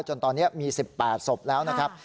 จนตอนนี้มี๑๘ศพแล้วนะครับ